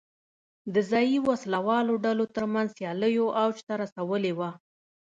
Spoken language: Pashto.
د ځايي وسله والو ډلو ترمنځ سیالیو اوج ته رسولې وه.